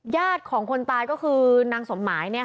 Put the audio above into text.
ญาติของคนตายก็คือนางสมหมาย